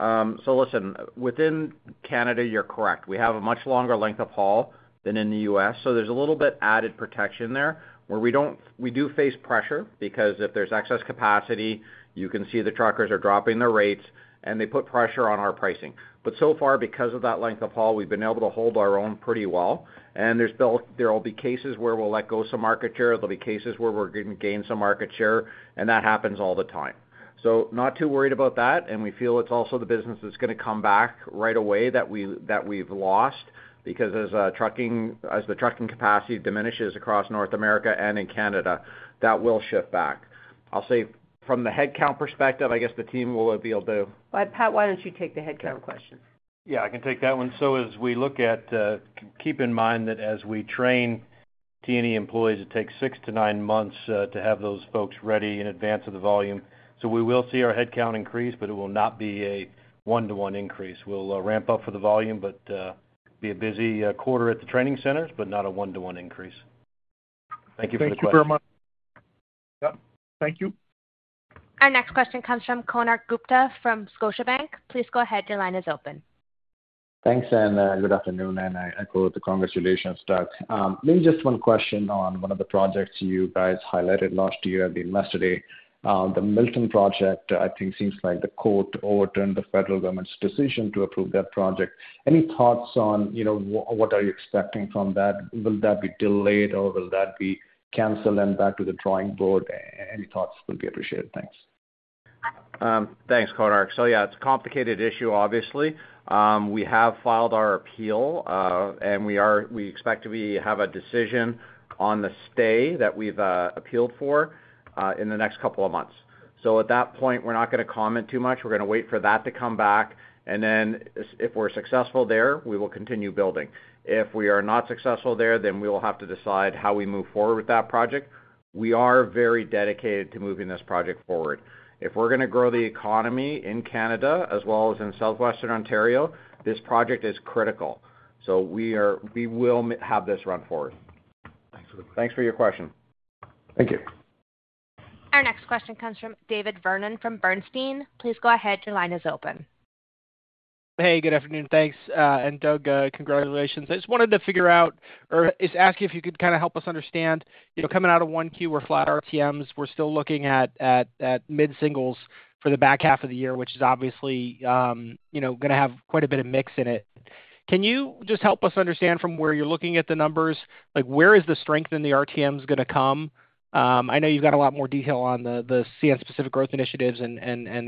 F: So listen, within Canada, you're correct. We have a much longer length of haul than in the U.S. So there's a little bit added protection there where we do face pressure because if there's excess capacity, you can see the truckers are dropping their rates, and they put pressure on our pricing. But so far, because of that length of haul, we've been able to hold our own pretty well. And there'll be cases where we'll let go some market share. There'll be cases where we're going to gain some market share, and that happens all the time. So not too worried about that. And we feel it's also the business that's going to come back right away that we've lost because as the trucking capacity diminishes across North America and in Canada, that will shift back. I'll say from the headcount perspective, I guess the team will be able to.
B: Well, Pat, why don't you take the headcount question?
D: Yeah. I can take that one. So as we look at, keep in mind that as we train T&E employees, it takes 6-9 months to have those folks ready in advance of the volume. So we will see our headcount increase, but it will not be a one-to-one increase. We'll ramp up for the volume but be a busy quarter at the training centers, but not a one-to-one increase. Thank you for the question.
M: Thank you very much. Yep. Thank you.
A: Our next question comes from Konark Gupta from Scotiabank. Please go ahead. Your line is open.
N: Thanks, and good afternoon. I call it the congratulations, Doug. Maybe just one question on one of the projects you guys highlighted last year at the Investor Day. The Milton project, I think, seems like the court overturned the federal government's decision to approve that project. Any thoughts on what are you expecting from that? Will that be delayed, or will that be canceled and back to the drawing board? Any thoughts would be appreciated. Thanks.
F: Thanks, Konark. So yeah, it's a complicated issue, obviously. We have filed our appeal, and we expect to have a decision on the stay that we've appealed for in the next couple of months. So at that point, we're not going to comment too much. We're going to wait for that to come back. And then if we're successful there, we will continue building. If we are not successful there, then we will have to decide how we move forward with that project. We are very dedicated to moving this project forward. If we're going to grow the economy in Canada as well as in southwestern Ontario, this project is critical. So we will have this run forward. Thanks for the question. Thanks for your question.
N: Thank you.
A: Our next question comes from David Vernon from Bernstein. Please go ahead. Your line is open.
O: Hey. Good afternoon. Thanks. And Doug, congratulations. I just wanted to figure out or just ask you if you could kind of help us understand coming out of 1Q. We're flat RTMs. We're still looking at mid-singles for the back half of the year, which is obviously going to have quite a bit of mix in it. Can you just help us understand from where you're looking at the numbers, where is the strength in the RTMs going to come? I know you've got a lot more detail on the CN-specific growth initiatives and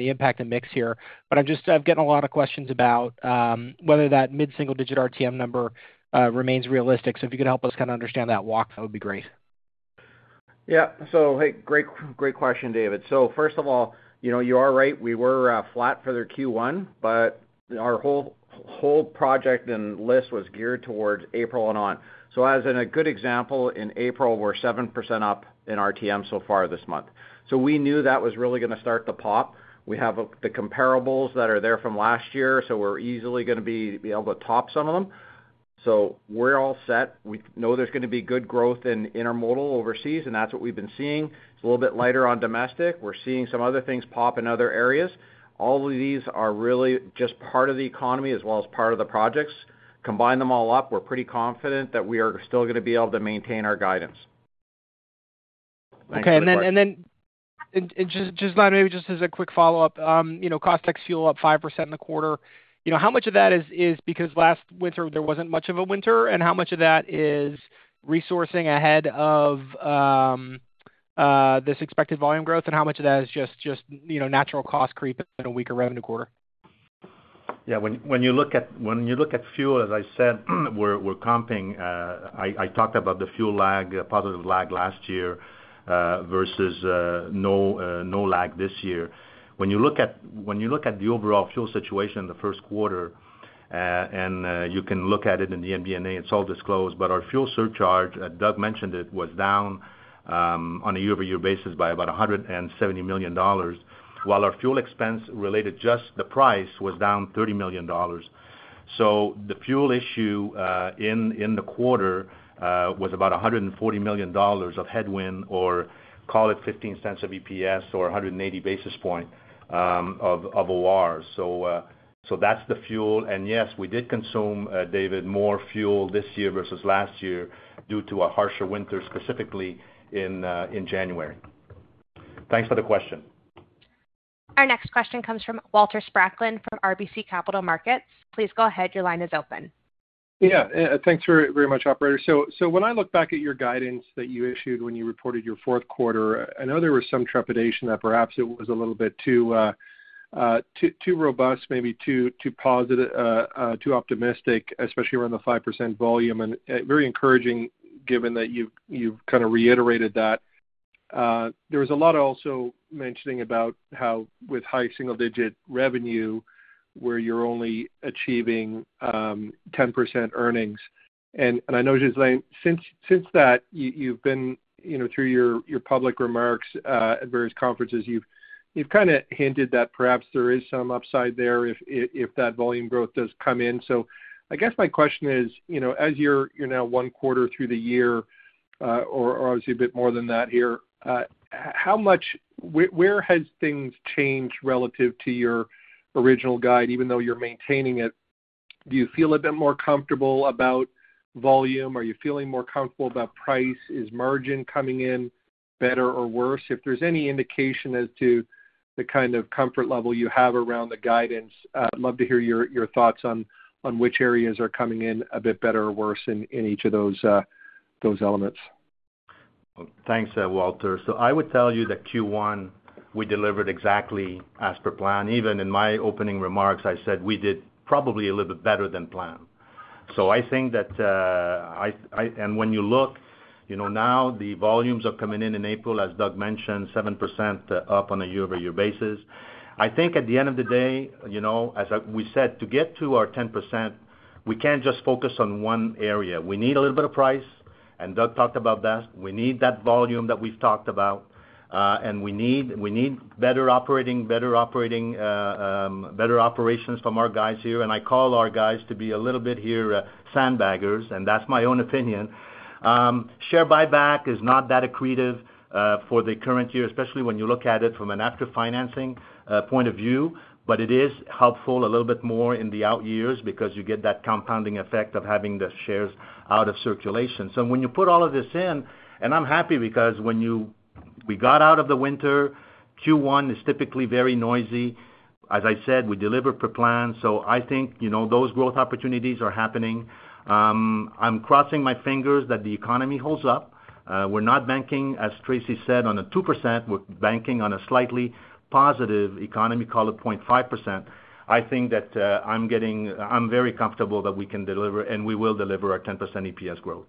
O: the impact and mix here, but I'm getting a lot of questions about whether that mid-single-digit RTM number remains realistic. So if you could help us kind of understand that walk, that would be great.
F: Yeah. So hey, great question, David. So first of all, you are right. We were flat for their Q1, but our whole project and list was geared towards April and on. So as a good example, in April, we're 7% up in RTM so far this month. So we knew that was really going to start to pop. We have the comparables that are there from last year, so we're easily going to be able to top some of them. So we're all set. We know there's going to be good growth in intermodal overseas, and that's what we've been seeing. It's a little bit lighter on domestic. We're seeing some other things pop in other areas. All of these are really just part of the economy as well as part of the projects. Combine them all up, we're pretty confident that we are still going to be able to maintain our guidance. Thanks for the question.
O: Okay. And then just maybe just as a quick follow-up, cost ex fuel up 5% in the quarter. How much of that is because last winter, there wasn't much of a winter, and how much of that is resourcing ahead of this expected volume growth, and how much of that is just natural cost creep in a weaker revenue quarter?
G: Yeah. When you look at fuel, as I said, we're comping. I talked about the fuel lag, positive lag last year versus no lag this year. When you look at the overall fuel situation in the Q1, and you can look at it in the MD&A, it's all disclosed, but our fuel surcharge, Doug mentioned it, was down on a year-over-year basis by about $170 million, while our fuel expense-related just the price was down $30 million. So the fuel issue in the quarter was about $140 million of headwind, or call it $0.15 of EPS or 180 basis points of OR. So that's the fuel. And yes, we did consume, David, more fuel this year versus last year due to a harsher winter, specifically in January. Thanks for the question.
A: Our next question comes from Walter Spracklin from RBC Capital Markets. Please go ahead. Your line is open.
P: Yeah. Thanks very much, operator. So when I look back at your guidance that you issued when you reported your Q4, I know there was some trepidation that perhaps it was a little bit too robust, maybe too optimistic, especially around the 5% volume, and very encouraging given that you've kind of reiterated that. There was a lot also mentioning about how with high single-digit revenue, where you're only achieving 10% earnings. And I know, Ghislain, since that, you've been through your public remarks at various conferences. You've kind of hinted that perhaps there is some upside there if that volume growth does come in. So I guess my question is, as you're now one quarter through the year, or obviously a bit more than that here, where has things changed relative to your original guide? Even though you're maintaining it, do you feel a bit more comfortable about volume? Are you feeling more comfortable about price? Is margin coming in better or worse? If there's any indication as to the kind of comfort level you have around the guidance, I'd love to hear your thoughts on which areas are coming in a bit better or worse in each of those elements.
G: Thanks, Walter. So I would tell you that Q1, we delivered exactly as per plan. Even in my opening remarks, I said we did probably a little bit better than planned. So I think that and when you look now, the volumes are coming in in April, as Doug mentioned, 7% up on a year-over-year basis. I think at the end of the day, as we said, to get to our 10%, we can't just focus on one area. We need a little bit of price, and Doug talked about that. We need that volume that we've talked about, and we need better operating, better operations from our guys here. I call our guys to be a little bit here sandbaggers, and that's my own opinion. Share buyback is not that accretive for the current year, especially when you look at it from an after-financing point of view, but it is helpful a little bit more in the out years because you get that compounding effect of having the shares out of circulation. When you put all of this in, I'm happy because when we got out of the winter, Q1 is typically very noisy. As I said, we deliver per plan. I think those growth opportunities are happening. I'm crossing my fingers that the economy holds up. We're not banking, as Tracy said, on a 2%. We're banking on a slightly positive economy, call it 0.5%. I think that I'm very comfortable that we can deliver, and we will deliver our 10% EPS growth.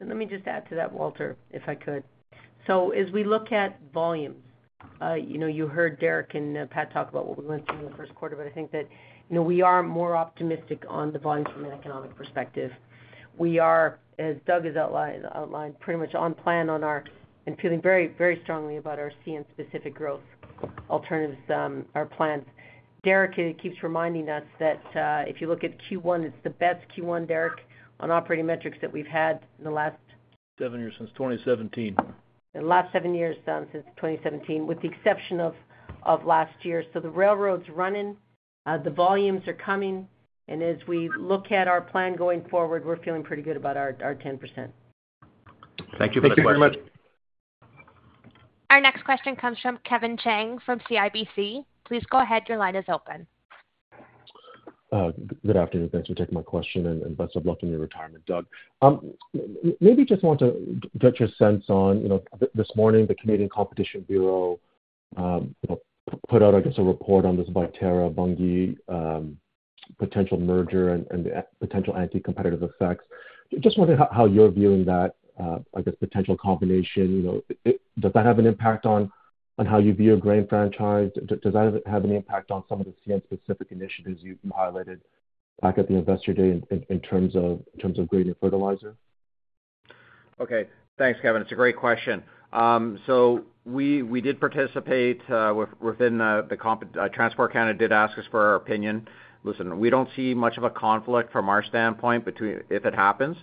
B: And let me just add to that, Walter, if I could. So as we look at volumes, you heard Derek and Pat talk about what we went through in the Q1, but I think that we are more optimistic on the volumes from an economic perspective. We are, as Doug has outlined, pretty much on plan on our and feeling very, very strongly about our CN-specific growth alternatives, our plans. Derek, it keeps reminding us that if you look at Q1, it's the best Q1, Derek, on operating metrics that we've had in the last.
E: 7 years, since 2017.
B: The last seven years since 2017, with the exception of last year. So the railroad's running. The volumes are coming. And as we look at our plan going forward, we're feeling pretty good about our 10%.
G: Thank you for the question.
P: Thank you very much.
A: Our next question comes from Kevin Chiang from CIBC. Please go ahead. Your line is open.
Q: Good afternoon. Thanks for taking my question, and best of luck in your retirement, Doug. Maybe just want to get your sense on this morning, the Canadian Competition Bureau put out, I guess, a report on this Viterra, Bunge potential merger and potential anti-competitive effects. Just wondering how you're viewing that, I guess, potential combination. Does that have an impact on how you view a grain franchise? Does that have any impact on some of the CN-specific initiatives you highlighted back at the Investor Day in terms of grain and fertilizer?
F: Okay. Thanks, Kevin. It's a great question. So we did participate within the Transport Canada did ask us for our opinion. Listen, we don't see much of a conflict from our standpoint if it happens.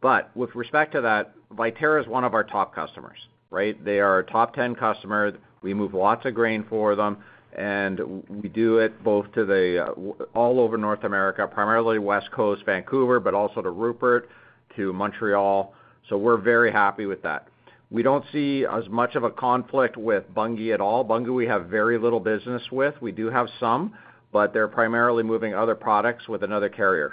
F: But with respect to that, Viterra is one of our top customers, right? They are our top 10 customer. We move lots of grain for them, and we do it both to the all over North America, primarily West Coast, Vancouver, but also to Rupert, to Montreal. So we're very happy with that. We don't see as much of a conflict with Bunge at all. Bunge, we have very little business with. We do have some, but they're primarily moving other products with another carrier.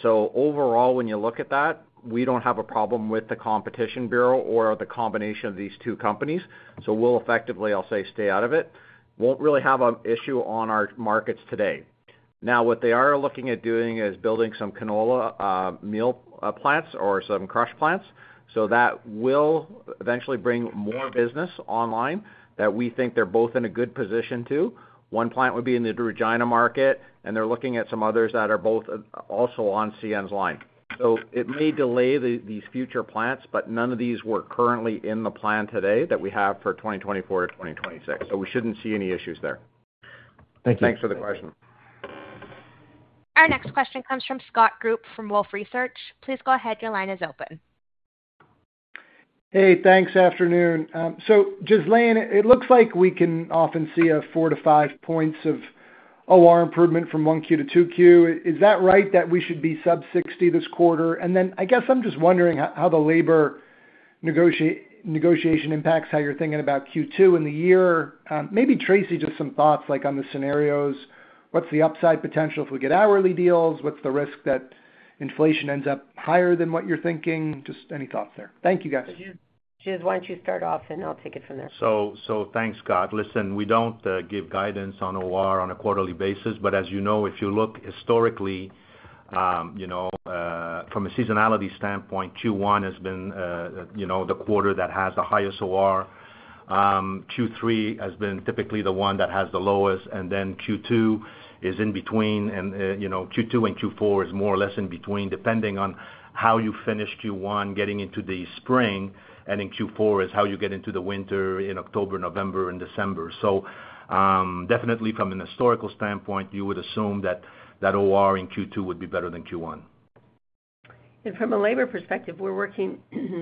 F: So overall, when you look at that, we don't have a problem with the Competition Bureau or the combination of these two companies. So we'll effectively, I'll say, stay out of it. Won't really have an issue on our markets today. Now, what they are looking at doing is building some canola meal plants or some crush plants. So that will eventually bring more business online that we think they're both in a good position to. One plant would be in the Regina market, and they're looking at some others that are both also on CN's line. So it may delay these future plants, but none of these were currently in the plan today that we have for 2024 to 2026. So we shouldn't see any issues there. Thank you. Thanks for the question.
A: Our next question comes from Scott Group from Wolfe Research. Please go ahead. Your line is open.
R: Hey. Thanks. Afternoon. Ghislain, it looks like we can often see a 4-5 points of OR improvement from 1Q to 2Q. Is that right that we should be sub-60 this quarter? And then I guess I'm just wondering how the labor negotiation impacts how you're thinking about Q2 in the year. Maybe Tracy, just some thoughts on the scenarios. What's the upside potential if we get hourly deals? What's the risk that inflation ends up higher than what you're thinking? Just any thoughts there. Thank you, guys.
B: Ghislain, why don't you start off, and I'll take it from there.
G: So thanks, Scott. Listen, we don't give guidance on OR on a quarterly basis. But as you know, if you look historically, from a seasonality standpoint, Q1 has been the quarter that has the highest OR. Q3 has been typically the one that has the lowest, and then Q2 is in between. And Q2 and Q4 is more or less in between, depending on how you finish Q1 getting into the spring, and in Q4 is how you get into the winter in October, November, and December. So definitely, from an historical standpoint, you would assume that OR in Q2 would be better than Q1.
B: From a labor perspective, we're working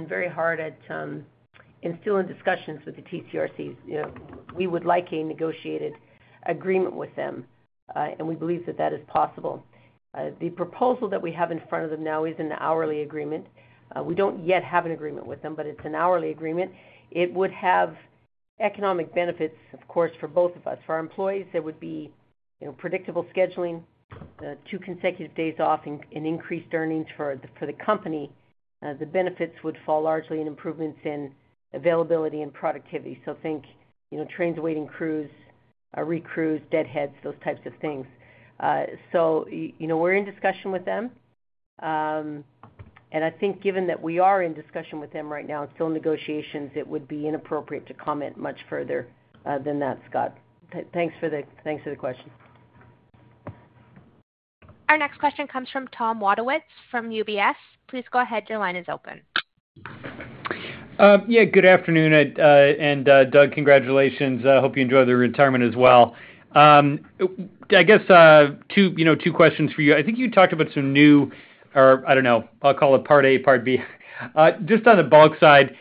B: very hard, and still in discussions with the TCRCs. We would like a negotiated agreement with them, and we believe that that is possible. The proposal that we have in front of them now is an hourly agreement. We don't yet have an agreement with them, but it's an hourly agreement. It would have economic benefits, of course, for both of us. For our employees, there would be predictable scheduling, two consecutive days off, and increased earnings for the company. The benefits would fall largely in improvements in availability and productivity. So think trains waiting crews, recrews, deadheads, those types of things. So we're in discussion with them. And I think given that we are in discussion with them right now and still in negotiations, it would be inappropriate to comment much further than that, Scott. Thanks for the question.
A: Our next question comes from Tom Wadewitz from UBS. Please go ahead. Your line is open.
S: Yeah. Good afternoon. And Doug, congratulations. I hope you enjoy the retirement as well. I guess two questions for you. I think you talked about some new or I don't know. I'll call it part A, part B. Just on the bulk side,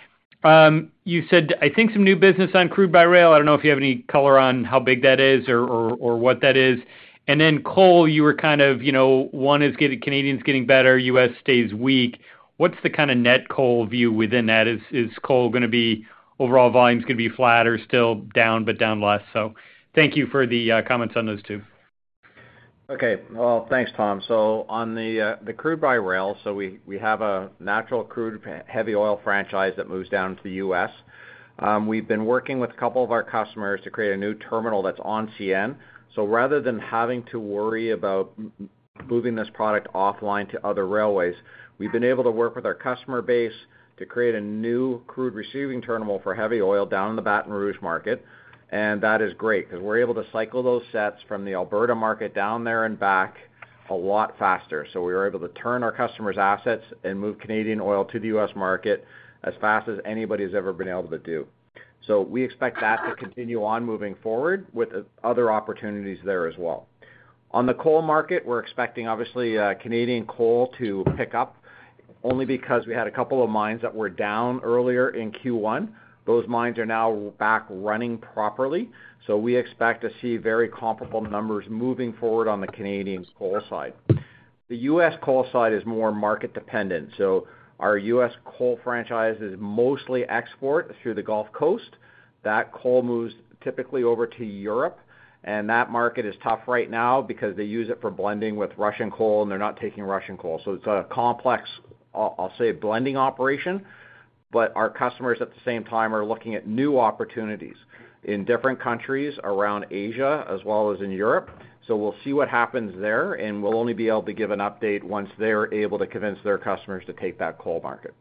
S: you said, "I think some new business on crude by rail." I don't know if you have any color on how big that is or what that is. And then coal, you were kind of, "One is Canadians getting better. U.S. stays weak." What's the kind of net coal view within that? Is coal going to be overall volumes going to be flat or still down, but down less? So thank you for the comments on those two.
F: Okay. Well, thanks, Tom. So on the crude by rail, so we have a natural crude heavy oil franchise that moves down to the U.S. We've been working with a couple of our customers to create a new terminal that's on CN. So rather than having to worry about moving this product offline to other railways, we've been able to work with our customer base to create a new crude receiving terminal for heavy oil down in the Baton Rouge market. And that is great because we're able to cycle those sets from the Alberta market down there and back a lot faster. So we were able to turn our customers' assets and move Canadian oil to the U.S. market as fast as anybody has ever been able to do. So we expect that to continue on moving forward with other opportunities there as well. On the coal market, we're expecting, obviously, Canadian coal to pick up only because we had a couple of mines that were down earlier in Q1. Those mines are now back running properly. So we expect to see very comparable numbers moving forward on the Canadian coal side. The U.S. coal side is more market-dependent. So our U.S. coal franchise is mostly export through the Gulf Coast. That coal moves typically over to Europe. And that market is tough right now because they use it for blending with Russian coal, and they're not taking Russian coal. So it's a complex, I'll say, blending operation. But our customers, at the same time, are looking at new opportunities in different countries around Asia as well as in Europe. So we'll see what happens there, and we'll only be able to give an update once they're able to convince their customers to take that coal market.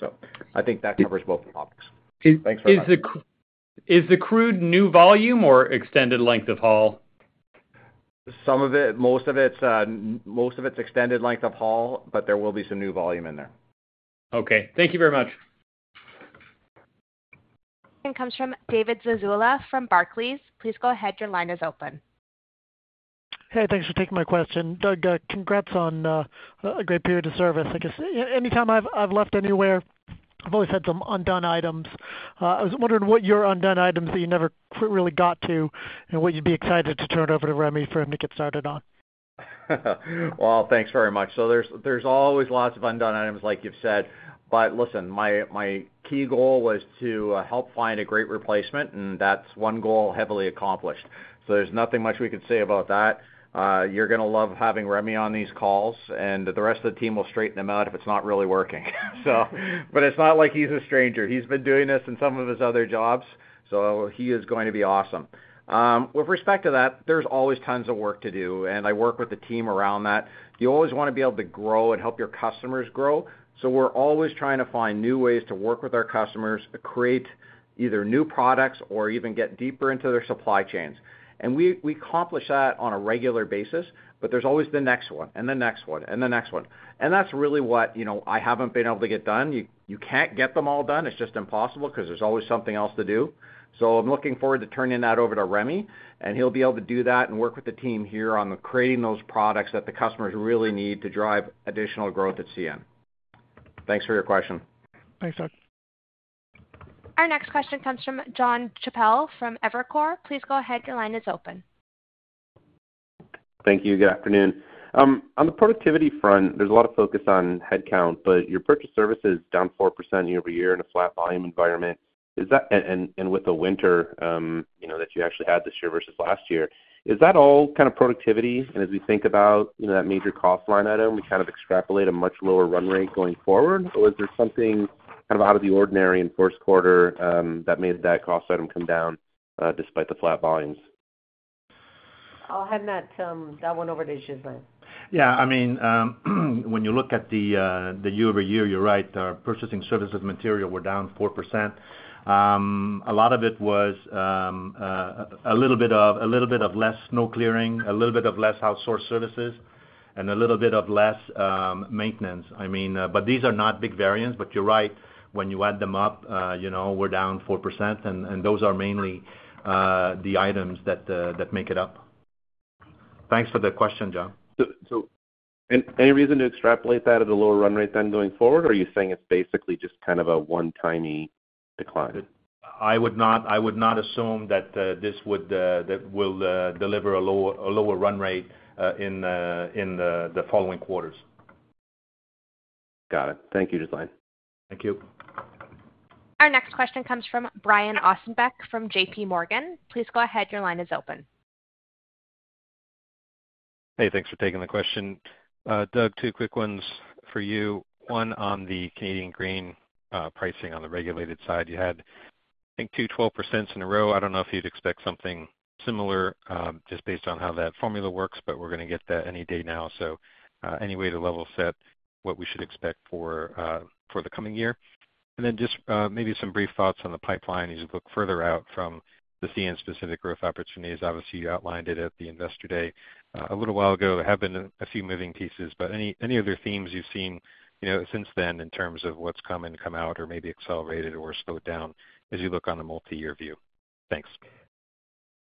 F: So I think that covers both topics. Thanks very much.
S: Is the crude new volume or extended length of haul?
F: Some of it. Most of it's extended length of haul, but there will be some new volume in there.
S: Okay. Thank you very much.
A: Comes from David Zazula from Barclays. Please go ahead. Your line is open.
T: Hey. Thanks for taking my question. Doug, congrats on a great period of service. I guess anytime I've left anywhere, I've always had some undone items. I was wondering what your undone items that you never really got to and what you'd be excited to turn it over to Rémi for him to get started on?
F: Well, thanks very much. So there's always lots of undone items, like you've said. But listen, my key goal was to help find a great replacement, and that's one goal heavily accomplished. So there's nothing much we could say about that. You're going to love having Rémi on these calls, and the rest of the team will straighten them out if it's not really working, so. But it's not like he's a stranger. He's been doing this in some of his other jobs, so he is going to be awesome. With respect to that, there's always tons of work to do, and I work with the team around that. You always want to be able to grow and help your customers grow. So we're always trying to find new ways to work with our customers, create either new products or even get deeper into their supply chains. We accomplish that on a regular basis, but there's always the next one and the next one and the next one. That's really what I haven't been able to get done. You can't get them all done. It's just impossible because there's always something else to do. I'm looking forward to turning that over to Rémi, and he'll be able to do that and work with the team here on creating those products that the customers really need to drive additional growth at CN. Thanks for your question.
T: Thanks, Doug.
A: Our next question comes from Jonathan Chappell from Evercore. Please go ahead. Your line is open.
U: Thank you. Good afternoon. On the productivity front, there's a lot of focus on headcount, but your purchased services is down 4% year-over-year in a flat volume environment. With the winter that you actually had this year versus last year, is that all kind of productivity? As we think about that major cost line item, we kind of extrapolate a much lower run rate going forward, or was there something kind of out of the ordinary in Q1 that made that cost item come down despite the flat volumes?
B: I'll hand that one over to Ghislain.
G: Yeah. I mean, when you look at the year-over-year, you're right. Our purchasing services material were down 4%. A lot of it was a little bit of less snow clearing, a little bit of less outsource services, and a little bit of less maintenance. I mean, but these are not big variants. But you're right. When you add them up, we're down 4%, and those are mainly the items that make it up. Thanks for the question, John.
U: Any reason to extrapolate that at a lower run rate than going forward, or are you saying it's basically just kind of a one-timey decline?
G: I would not assume that this will deliver a lower run rate in the following quarters.
U: Got it. Thank you, Ghislain.
G: Thank you.
A: Our next question comes from Brian Ossenbeck from J.P. Morgan. Please go ahead. Your line is open.
V: Hey. Thanks for taking the question. Doug, two quick ones for you. One, on the Canadian grain pricing on the regulated side, you had, I think, two 12% in a row. I don't know if you'd expect something similar just based on how that formula works, but we're going to get that any day now. So any way to level set what we should expect for the coming year? And then just maybe some brief thoughts on the pipeline as you look further out from the CN-specific growth opportunities. Obviously, you outlined it at the Investor Day a little while ago. There have been a few moving pieces, but any other themes you've seen since then in terms of what's come and come out or maybe accelerated or slowed down as you look on a multi-year view? Thanks.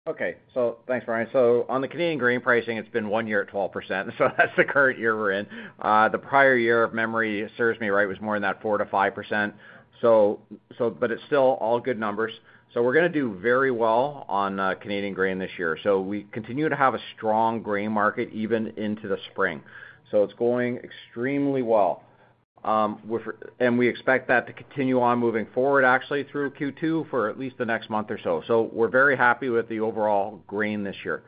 F: Okay. So thanks, Brian. So on the Canadian grain pricing, it's been one year at 12%, so that's the current year we're in. The prior year, if memory serves me right, was more in that 4%-5%, but it's still all good numbers. So we're going to do very well on Canadian grain this year. So we continue to have a strong grain market even into the spring. So it's going extremely well, and we expect that to continue on moving forward, actually, through Q2 for at least the next month or so. So we're very happy with the overall grain this year.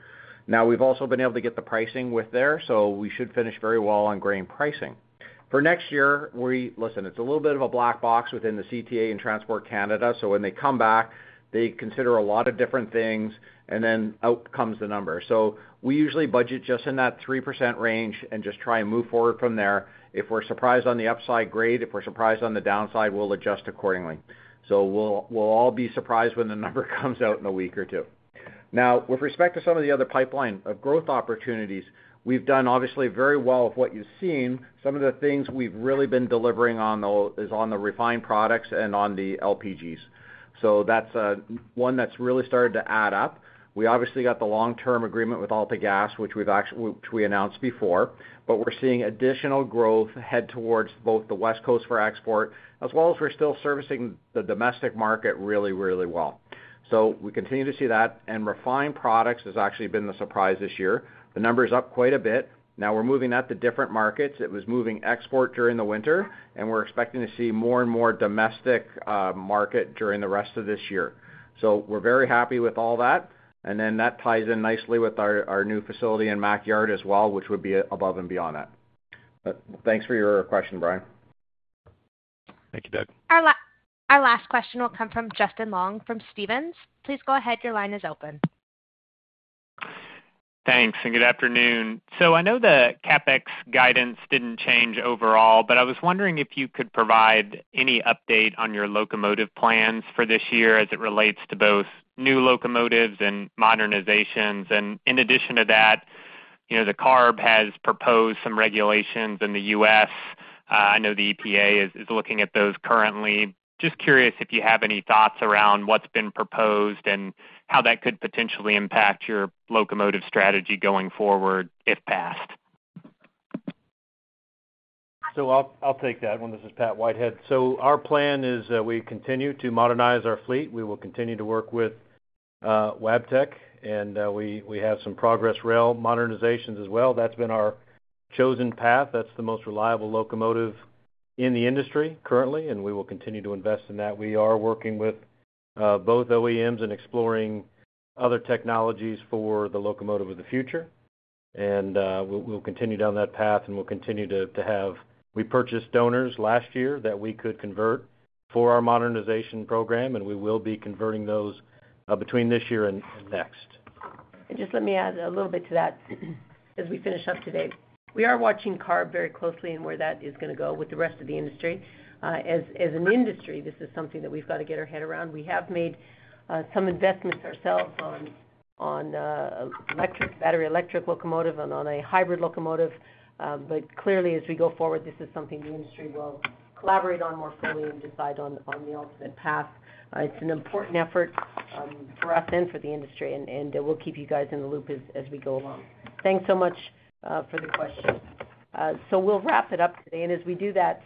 F: Now, we've also been able to get the pricing Viterra, so we should finish very well on grain pricing. For next year, listen, it's a little bit of a black box within the CTA and Transport Canada. So when they come back, they consider a lot of different things, and then out comes the number. So we usually budget just in that 3% range and just try and move forward from there. If we're surprised on the upside, great. If we're surprised on the downside, we'll adjust accordingly. So we'll all be surprised when the number comes out in a week or two. Now, with respect to some of the other pipeline of growth opportunities, we've done, obviously, very well with what you've seen. Some of the things we've really been delivering on is on the refined products and on the LPGs. So that's one that's really started to add up. We obviously got the long-term agreement with AltaGas, which we announced before, but we're seeing additional growth head towards both the West Coast for export, as well as we're still servicing the domestic market really, really well. So we continue to see that. And refined products has actually been the surprise this year. The number is up quite a bit. Now, we're moving that to different markets. It was moving export during the winter, and we're expecting to see more and more domestic market during the rest of this year. So we're very happy with all that. And then that ties in nicely with our new facility in Mac Yard as well, which would be above and beyond that. But thanks for your question, Brian.
V: Thank you, Doug.
A: Our last question will come from Justin Long from Stephens. Please go ahead. Your line is open.
W: Thanks. And good afternoon. So I know the CapEx guidance didn't change overall, but I was wondering if you could provide any update on your locomotive plans for this year as it relates to both new locomotives and modernizations. And in addition to that, the CARB has proposed some regulations in the U.S. I know the EPA is looking at those currently. Just curious if you have any thoughts around what's been proposed and how that could potentially impact your locomotive strategy going forward, if passed.
D: So I'll take that one. This is Pat Whitehead. So our plan is we continue to modernize our fleet. We will continue to work with Wabtec, and we have some Progress Rail modernizations as well. That's been our chosen path. That's the most reliable locomotive in the industry currently, and we will continue to invest in that. We are working with both OEMs and exploring other technologies for the locomotive of the future. And we'll continue down that path, and we'll continue to have we purchased donors last year that we could convert for our modernization program, and we will be converting those between this year and next.
B: And just let me add a little bit to that as we finish up today. We are watching CARB very closely and where that is going to go with the rest of the industry. As an industry, this is something that we've got to get our head around. We have made some investments ourselves on a battery electric locomotive and on a hybrid locomotive. But clearly, as we go forward, this is something the industry will collaborate on more fully and decide on the ultimate path. It's an important effort for us and for the industry, and we'll keep you guys in the loop as we go along. Thanks so much for the question. So we'll wrap it up today. And as we do that,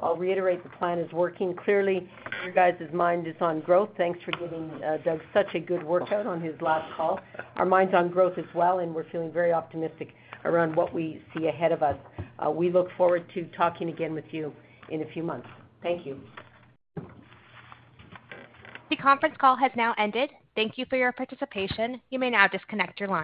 B: I'll reiterate the plan is working. Clearly, your guys' mind is on growth. Thanks for giving Doug such a good workout on his last call. Our mind's on growth as well, and we're feeling very optimistic around what we see ahead of us. We look forward to talking again with you in a few months. Thank you.
A: The conference call has now ended. Thank you for your participation. You may now disconnect your line.